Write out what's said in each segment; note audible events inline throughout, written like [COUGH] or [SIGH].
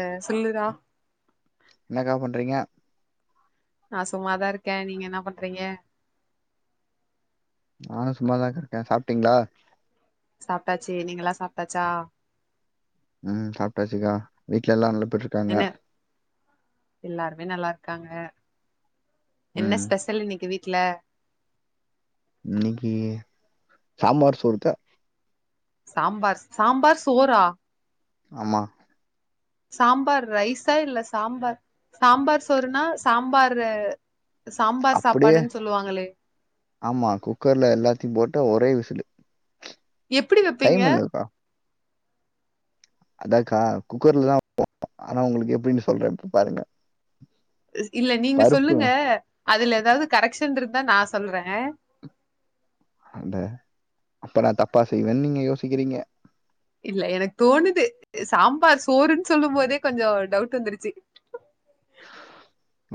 எ சொல்லுறா என்னக்கா பண்றிங்க நா சும்மாதா இருக்கே, நீங்க என்ன பண்றீங்க? நானு சும்மாதாங்க இருக்கே, சாப்ட்டீங்ளா? சாப்ட்டாச்சு நீங்கல்லா சாப்ட்டாச்சா ம், சாப்டாச்சுக்கா வீட்ல எல்லா நல்ல என்ன எல்லாருமே நல்லா க்காங்க என்ன ம் ஸ்பெஷல் இன்னைக்கு வீ ட்ல இன்னைக்கு சாம்பார் சோறுதா சாம்பார் சாம்பார் சோறா ஆமா சாம்பார் ரைசா இல்ல சாம்பார் சாம்பார் சோறுனா சாம்பார் சாம்பார் அப்படியே சாப்பாடுன்னு சொல்லுவாங்களே ஆமா குக்கர்ல எல்லாத்தையும் போட்டு ஒ கை விசிலு எப்டி வெப்பீங்க டைம் இல்லக்கா அதாக்கா குக்கர்லதா வெப்போ ஆனா உங்களுக்கு எப்டின்னு சொல்றன் இப்ப பாருங்க இல்ல நீங்க பருப்பு சொல்லுங்க அதுல ஏதாவது கரெக்ஷன் இருந் தா நா சொல்றே அத அப்ப நா தப்பா செய்வேன்னு நீங்க யோசிக்கிறீங்க இல்ல எனக்கு தோணுது சாம்பார் சோறுன்னு சொல்லும் போதே கொஞ்ச டவுட் வந்துருச்சு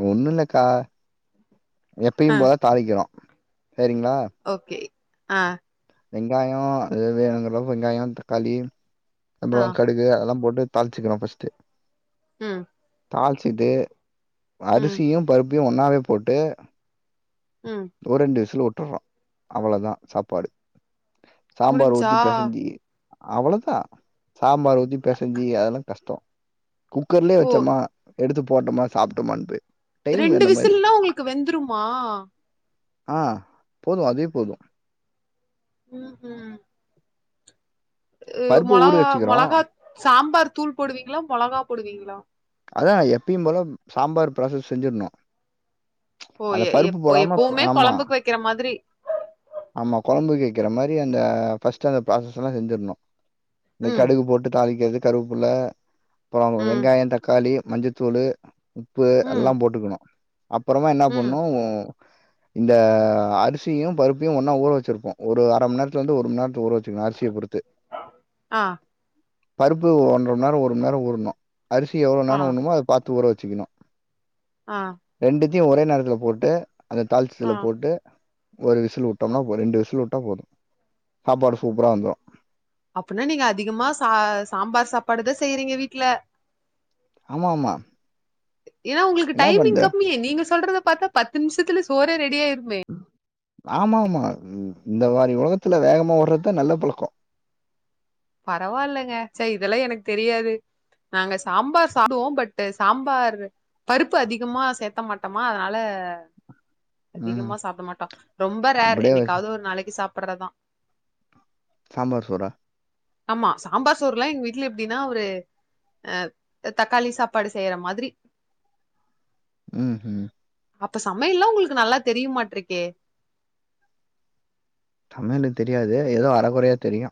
ஒண்ணுல்லக்கா ஆ எப்பயும் போல தாளிக்கிறோ சரிங்களா ஓகே ஆ வெங்காய அது வேணுங்கறளவுக்கு வெங்காய தக்காளி ஆ அப்ற கடுகு அதெல்லா போட்டு தாளிச்சுக்கறோ ஃபஸ்ட்டு ம் தாளிச்சுட்டு ம் அரிசியும் பருப் ப்பையு ஒன்னாவே போட்டு ம். ஒரு ரெண்டு விசிலு உ உட்டர்றோ அவ்வளதா சாப்பாடு சாம்பார் முடிஞ்ச்சா? ஊத்தி பெசஞ்சி அவ்வளதா சாம்பார் ஊத்தி பெசஞ்சி அதெல்லா கஷ்ட குக்கர்லயே ஓ! வச்சமா எடுத்து போட்டமா சாப்ட்டமான்து ரெண்டு விசில்லா உங்களுக்கு வெந்துருமா ஆ போது அதே போது ம் ஹூம் அ பருப்பு ஊற மொளகா வச்சுக்கிறோம். மொளாகா சாம் ம்பார் தூள் போடுவீங்களா? மொளகா போடுவீங்களா? அதா எப்பயு போல சாம்பார் ப்ராசஸ் செஞ்சிருனு ஓ! அந்த எ பருப்பு எப்ப போடாம எப்பவுமே ஆமா, கொழம்புக்கு வைக்கிற மாதிரி. ஆமா, கொழம்புக்கு வக்கிற மா ரி அந்த ஃப்சஸ்ட் அந்த ப்ராஸஸ் எல்லா செஞ்சிரணு இந்த ம். கடுகு போட்டு தாளிக்கிறது கருவப்புல்ல அப்பறோ அங்க ம். வெங்காய தக் காளி, மஞ்சத்தூளு உப்பு ம். எல்லா போட்டுக்குணு அப்பறமா என்னா ம். பண்ணு இந்த அரிசியு பருப்பையு ஒன்னா ஊற வெச்சிருப்போ. ஒரு அரமண்நேரத்துல இருந்து ஒரு மண்நேரத்துக்கு ஊற வெச்சுக்குனு அரிசிய பொறுத்து ஆ பருப்பு ஒன்ற மண்நேர ஒரு மண் நேர ஊறணு அரி சி எவ்ள ஆ. நேர ஊறணுமோ அத பாத்து ஊற வெச்சுக்கணு ஆ த்தயு ஒரே நேரத்துல போட்டு அத தாள்ச்சு ஆ. இதுல போட்டு ஒரு விசில் உட்டம்னா ஒரு ரெண்டு விசில் உட்டா போது சாப்பாடு சூப்பரா வந்துரு அப்பன்னா நீங்க அதிகமா சா சாம்பார் சாப்பாடுதா செய்றிங்க வீட்ல ஆமா ஆமா ஏனா உங்ளுக்கு என்ன டைமிங் பண்ற கம்மி நீங்க சொல்றத பாத்தா பத்து நிம்சத்துல சோறே ரெடி ஆய் ஆமா ஆமா இந்த மாரி ஒலக த்துல வேகமா ஓடறதுதா நல்ல பழக்க பரவாலங்க ச்ச இதெல்லா எனக்கு தெரியாது நாங்க சாம்பார் சாப்டுவோ பட் சாம்பார் பருப்பு அதிகமா சேத்த மாட்டமா அதனால ம் அதிகமா சாப்ட மாட்டோ ரொம்ப ரேர் அப்படியே வச்சு என்னைக்காவுது ஒரு நாளைக்கு சாப் பட்றதா சாம்பார் சோறா ஆமா சாம்பார் சோறுல்லா எங்க வீட்ல எப்டின்னா ஒரு அ தக்காளி சாப்பாடு செய்யற மாதிரி ம் ம் அப்ப சமையல்லா உங்களுக்கு நல்லா தெரியுமாட்ருக்கே சமையலு தெரியாது ஏதோ அரகொறையா தெரியு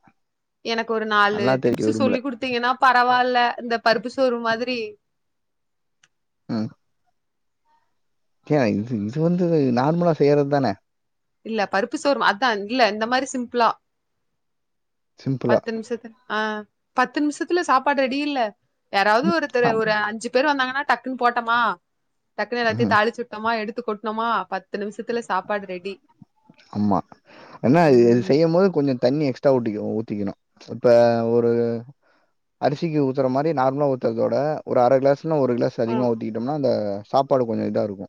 எனக்கு ஒரு நாலு டிப்ஸு சொல்லி குடுத்திங்கனா பரவால்ல இந்த பருப்பு சோறு மாதிரி ம் கே இது இது வந்து நார்மலா செய்றது தான இல்ல பருப்பு சோரு அதா இல்ல இந்த மாரி சிம்ப்ளா சிம்பிளா பத்து நிம்ஷத்துல ஆ பத்து நிம்சத்துல சாப்பாடு ரெடி இல்ல யாராவது ஒருத்தர் ஆம். ஒரு அஞ்சி பேர் வந்தாங்கன்னா டக்குன் போட்டமா டக்குன்னு எல்லாத்தயு ம்ஹ்ம். தாளிச்சுட்டமா எடுத் து கொட்னமா பத்து நிம்ஷத்துல சாப்பாடு ரெடி ஆமா என்ன இ இது ம் செய்யம் போது கொஞ்சோ தண்ணி எக்ஸ்ட்ரா ஊத் ஐயோ ஊத்திக்கணு இப்ப ஒரு அரிசிக்கு ஊத்துற மாரி நார்மலா ஊத்தறதோட ஒரு அர கிளாஸ் இன்னு ஒரு கிளாஸ் ஆ அதிகமா ஊத்திகிட்டம்னா அந்த சாப்பாடு கொஞ்சோ இதாருக்கு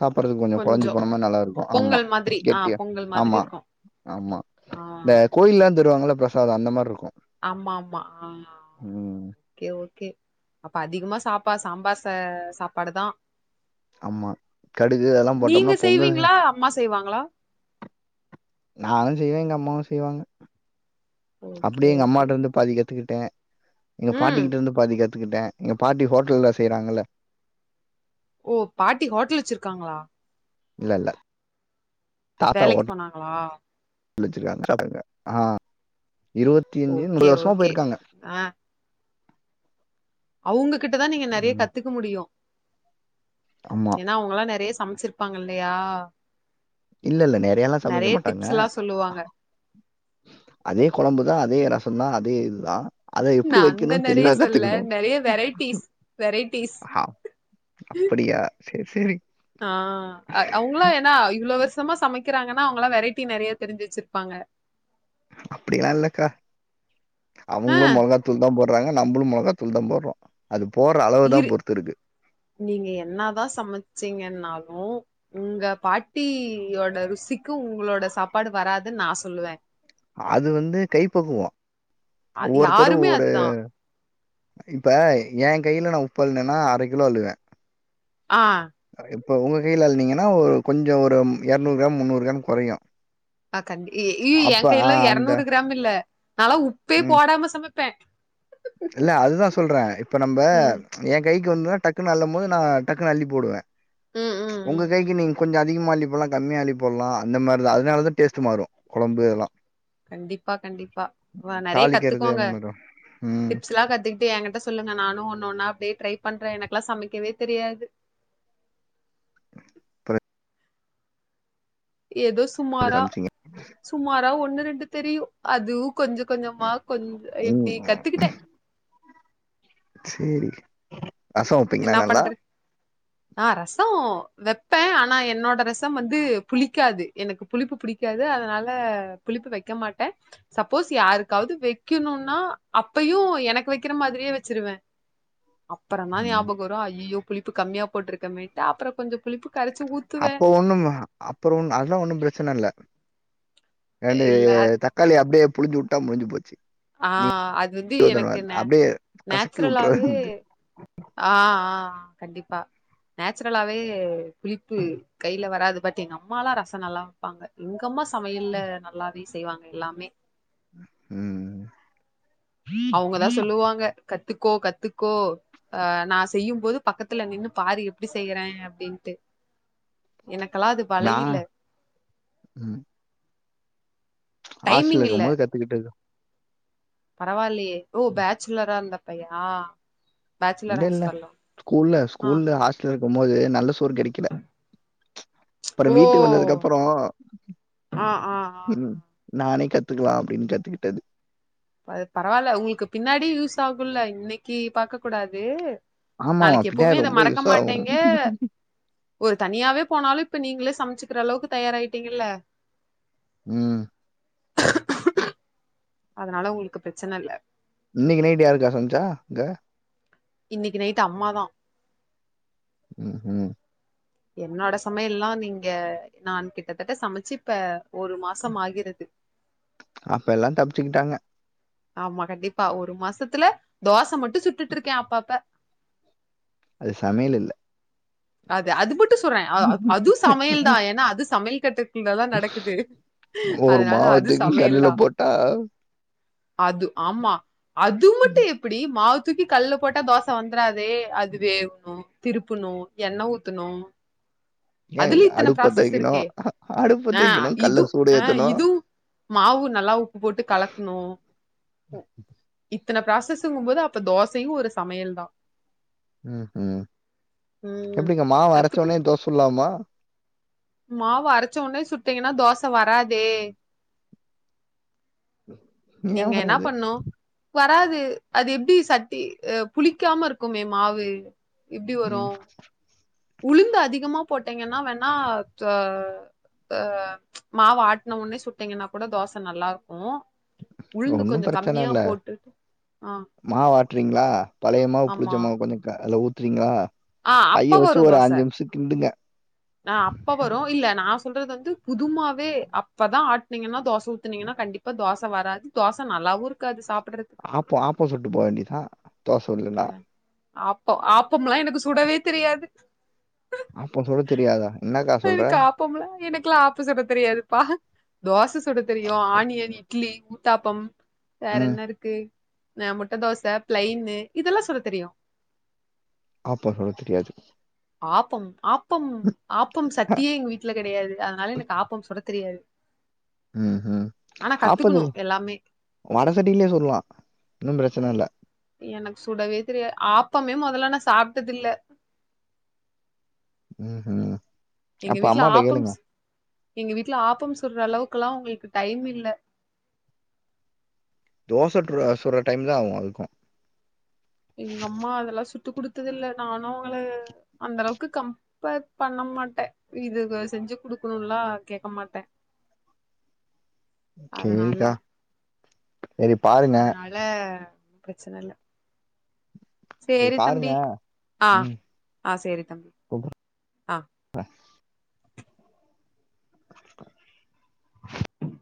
சாப்பட்றக்கு கொளஞ்சு கொஞ்சோ போனமார் நல்லாருக்கு ஆமா பொங்கல் மாதிரி ஆ கெட்டியா பொங்கல் மாதிரி ஆமா இருக்கு ஆமா ஆ இந்த கோயில்லாந் தருவாங்கல்ல பிரசாதோ அந்த மார்ருக்கு ஆமா ஆமா ஆ ஓகே ஓகே அப்ப அதிகமா சாப்பா சாம்பாச சாப்பாடுதா ஆமா. கடுகு அதெல்லாம் நீங்க போட்டோம்னா பொங்கல் செய்வீங்களா அம்மா செய்வாங்களா நானு ஜெய்வே எங்க அம்மாவு செய்வாங்க ஓகே அப்டியே எங்க ஓகே அம்மாட்ட இருந்து பாதிக் கத்துக் ட எங்க ம் பாட்டிக்கிட்ட இருந்து பாதிக் கத் கிட்டே எங்க பாட்டி ஹோட்டல்ல செய்றாங்கல்ல ஓ பாட்டி ஹோட்டல் வச்சிருக்காங்களா இல்ல இல்ல தாத்தா வேலைக்கு ஹோட்டல் போனாங்களா [UNINTELLIGIBLE] வச்சிருக்காங்க [UNINTELLIGIBLE] ஆ இருவத்தி அஞ்சு [UNINTELLIGIBLE] ஓகே வருஷமா ஓகே போயிருக்காங்க அவங்க கிட்டதா நீங்க நறைய ம் கத்துக்க முடியு ஆமா ஏன்னா அவங்கல்லா நறைய சமைச்சிருப்பாங்க இல்லையா இல்ல இல்ல நறயல்லா சமைக்க நெறைய மாட்டாங்க டிப்ஸ் எல்லா சொல்லுவாங்க அதே கொழம்புதா அதே ரச எப்டின்னா அதே இதுதா அத நா எப்டி அந்த வைக்கணுனு நெறைய தெளிவா சொல்ல கத்துக்கணு நெறைய வெரைட்டிஸ் வெரைட்டிஸ் அப்படியா சேரி சேரி ஆ அவங்களா எனா இவ்ள வருஷ் மா சமைக்கிறாங்கன்னா அவங்களா வெரைட்டி நறைய தெரிஞ்சு வச்சிருப்பாங்க அப்படிலா இல்லக்கா ஆ அவங்களு மொளகாத்தூள் தா போ ட்ராங்க நம்மளு மொளகா தூள் தா போட்றோ அது போடுற அளவுதா இரு பொறுத்து இருக்கு நீங்க என்னாதா சமைச்சீங்கன்னாலு உங்க பாட்டியோட ருசிக்கு உங்ளோட சாப்பாடு வராதுன் நா சொல்லுவே அது வந்து கைப்பக்குவ ஒவ்வொருத்தரு யாருமே ஒரு அதுதா இப்ப ஏ கைல நா உப்பு அள்ளுனேன்னா அர கிலோ அள்ளுவே ஆ இப்ப ஒங்க கைல அள்ளுனீங்கனா ஒரு கொஞ்சோ ஒரு எரநூறு கிராம் முந்நூறு கிராம் கொறையு ஆ கண்டி இ இ ஏ கைல அந்த எரநூறு கிராம் இல்ல நாலா உப்பே ம். போடாம சமப் பே இல்ல அதுதா சொல்றே இப்ப நம்ப ம் ஏ கை க்கு வந்ததுனா டக்குன்னு அள்ளம் போது நா டக்குன்னு அள்ளி போடுவே ம் ம் ம் உங்க ம். கைக்கு நீங்க கொஞ்சோ அ திகமா அள்ளி போடலா கம்மியா அள்ளிப் போடலா அந்த மாதிரிதா அதனாலதா டேஸ்ட் மாறு கொழம்பு இதலா கண்டிப்பா கண்டிப்பா வ நெறையா தாளிக்கிறது கத்துக்கோங்க அந்த மாரி தான். ம். டிப்ஸ்ல்லா கத்துக்கிட்டு ஏகிட்ட சொல்லுங்க நானு ஒன்னு ஒன்னா அப்டியே ட்ரை பண்றே எனக்குல்லா சமைக்கவே தெரியாது பெற ஏதோ சுமாரா சமைச்சீங்க. சுமாரா ஒன்னு ரெண்டு தெரியு அதுவு கொஞ்ச கொஞ்சமா கொஞ்ச எப்டி ம். கத்துக்கிட்டே சேரி ரசோ வப்பீங்களா என்னா நல்லா பண்ற ஆ ரசோ வப்பே ஆனா என்னோட ரசம் வந்து புளிக்காது எனக்கு புளிப்பு புடிக்காது அதனால புளிப்பு வைக்க மாட்டே சப்போஸ் யாருக்காவது வைக்கணுன்னா அப்பயு எனக்கு வைக்கிற மாதிரியே வச்சிருவே அப்பறந்தா நியா ம். அய்யய்யோ புளிப்பு கம்மியா போட்டுருக்கமேன்ட்டு அப்பறோ கொஞ்சோ அப்ப ஒண்ணு அப்பற ஒண்ணு அதெல்லா ஒன்னு பிரச்சன இல்ல ரெண்டு இல்ல தக்காளிய அப்டியே புழிஞ்சி விட்டா முடிஞ்சி போச்சு ஆஹ் அது வந்து எனக்கு நே அப்டியே கசக்கி நேச்சுரலாவே வுட்ற ஆஹ் ஆஹ் கண்டிப்பா நேச்சுரலாவே புளிப்பு கையில வராது பட் எங்க அம்மலா ரசோ நல்லா வைப்பாங்க எங்கம்மா சமையல்ல நல்லா வீ செய்வாங்க எல்லாமே உ உ அவுங்கதா சொல்லுவாங்க கத்துக்கோ கத்துக்கோ ஆஹ் நா செய்யும்போது பக்கத்துல நின்னு பாரு எப்டி செய்யறே அப்டின்ட்டு எனக்கெலா அது நா வளையில ம் ஹாஸ்டல்ல இருக்கும்போது கத்துக்கிட்டது பரவால்லையே ஓ பேச்சுலரா இருந்த ப்பையா இல்ல இல்ல ஸ்கூல்ல ஸ்கூல்ல ஹாஸ்டல் இருக்போது நல்ல சோர் கெடைக்கல அப்பறோ ஓ வீட்டுக்கு வந்ததுக் அப்பறோ ஆ ஆ ஆ ஆ ம் நானே கத்துக்கலா அப்டின் கத்துகிட்டது பரவால்ல உங்களுக்கு பின்னாடி யூஸ் ஆகுல்ல இன்னக்கி பாக்க கூடாது ஆமாமா நாளைக்கு எப்பவுமே பின்னாடி இத ரொம்ப மறக்க யூஸ் ஆகும் மாட்டிங்க ஒரு தனியாவே போனாலு இப்ப நீங்ளே சமச்சுக்குற அளவுக்கு தயாராயிட்டீங்கல்ல ம் அதனால உங்ளுக்கு ப்ரச்சன இல்ல இன்னக்கி நைட்டு யாரு இருக்கா கவிதா அங்க இன்னக்கு நைட்டு அம்மாதா உஹூம் என்னோட சமையல்லா வந்து இங்க நா கிட்டத்தட்ட சமச்சி இப்ப ஒரு மாசம் ஆகிறது அப்ப எல்லா தப்பிச்சிக்கிட்டாங்க ஆமா கண்டிப்பா ஒரு மாசத்துல தோச மட்டு சுட்டுட்டிருக்கே அப்பப்ப அது சமையல் இல்ல அது அதுப்பு சொல்னே அது அது சமையல் தா ஏன்னா அது சமையல் கட்டுக்குள்ள தா நடக்குது ஒரு அதனால மாவ அது தூக்கி சமையல் கல்லுல தா போட்டா அது ஆமா அது மட்டு எப்டி மாவு தூக்கி கல்ல போட்டா தோச வந்துராதே அதுவேகணு திருப்பணு எண்ண ஊத்துனு ஏன் அதுலயு இத்தன அடுப்ப ப்ராசஸ் இருக்கே தூக்கணும் அடுப்ப ஆஹ் தூக்கணும் இது கல்ல சூடு ஆஹ் ஏத்தணும் இது மாவு நல்லா உப்பு போட்டு கலக்ணு இ இத்தன ப்ராசஸுங்கும்போது அப்ப தோசையும் ஒரு சமையல் தா ஹ்ம் ஹாம் ம் எப்டிங்க மாவரச்ச உடனே தோச சுட்லாமா மாவ அரச்சோனே சுட்டீங்கனா தோச வராதே நீங்க ஏன் என்னா வராது பண்ணு வராது அது எப்டி சட்டி அஹ் புளிக்காம இருக்குமே மாவு எப்டி ம் வரு உளுந்து அதிகமாப் போட்டெங்கனா வேணா து ஆஹ் மாவு ஆட்ன ஒன்னே சுட்டிங்கனா கூட தோச நல்லாருக்கு ஒன்னு‌ பிரச்சன இல்ல ஆ மாவாட்றீங்ளா பழைய மாவு ஆமா புளிச்சமாவ கொஞ்ச க அதுல ஊத் ட்றீங்ளா ஆ கைய வச்சு ஒரு அஞ்சு நிம்ஷ கிண்டுங்க ஆஹ் அப்ப வரு இல்ல நா சொ சொல்றது வந்து புது மாவே அப்பதா ஆட்னீங்கனா தோச ஊத்துனிங்கனா கண்டிப்ப தோச ச வராது தோச நல்லாவு இருக்காது சாப் ஆப்ப ஆப்போ சுட்டு போ வேண்டிதா தோச வர்லன ஆப்ப ஆப்பம்லா எனக்கு சுடவே தெரியாது ஆப்போ சுட தெரியாதா என்னக்கா சொல்ற க்கு ஆப்ப சுட தெரியாதுப்பா தோச சு சுட தெரியு ஆனியன் இட்லி ஊத்தாப்பம் வேற ம். என்ன இருக்கு ஆஹ் முட்ட தோச பிளைன்னு இதெல்லா சுட தெரியு ஆப்ப சுட தெரியாது ஆப்பம் ஆப் பம் ஆப்பம் சட்டியே எங்க வீட்ல கெடையாது அதனால எனக்கு ஆப்பம் சுடத் தெரியாது உம் ஹிம் ஆனா ஆப்ப நீ கத்துக்கணு எல்லாமே வடசட்டிலே சுட்லா ஒன்னு பிரச்சன ஐ- இல்ல எனக்கு சுடவே தெரியா ஆப்பமே மொதல்ல நா சாப்ட்டதில்ல உம் ஹிம் அப்ப அம்மாட்ட ஆப்பம் கேளுங்க ஸ்- எங்க வீட்ல ஆப்பம் சுட்ற அளவுக்குலா அவ்ங்களுக்கு டைம் இல்ல தோ சுட்ருவ சுட்ற டைம் தா ஆகு அதுக்கு எங்க அம்மா அதெல்லா சுட் ட்டு குடுத்ததில்ல நானு அவ்ங்ல அந்த அளவுக்கு கம்பர் பண்ண மாட்டே இது இவ்க செஞ்சு குடுக்கணும்லா கேக்க மாட்டே அதனால சேரிக்கா அதனால பிரச்சனைல்ல சரி சேரி தம்பி பாருங்க. ஆஹ ம். ஆ சேரி தம்பி ஆ ப